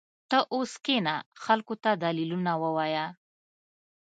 ته اوس کښېنه خلقو ته دليلونه ووايه.